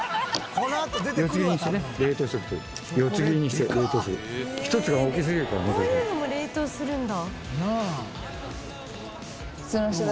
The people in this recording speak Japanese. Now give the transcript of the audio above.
こういうのも冷凍するんだ。なあ。